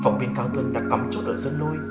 phòng viên cao tuân đã cắm chốt ở dân lôi